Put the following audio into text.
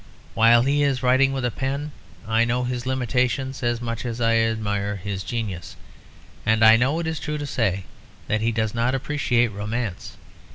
While he is writing with a pen I know his limitations as much as I admire his genius; and I know it is true to say that he does not appreciate romance.